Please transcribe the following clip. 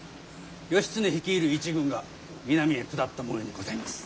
義経率いる一軍が南へ下ったもようにございます。